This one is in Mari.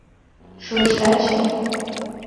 — Шойыштат чай?